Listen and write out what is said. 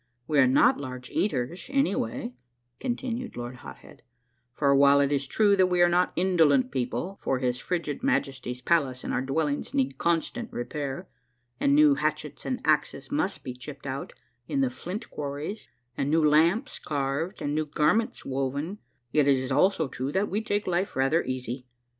We are not large eaters any way," continued Lord Hot Head, " for while it is true that we are not indolent people, for his frigid Majesty's palace and our dwellings need constant repair, and new hatchets and axes must be chipped out in the flint quarries and new lamps carved and new garments woven, yet it is also true that we take life rather easy.